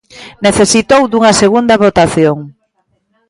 Necesitou dunha segunda votación.